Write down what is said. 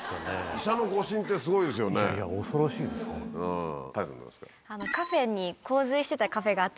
医者の誤診ってすごいですよいや、恐ろしいです、本当。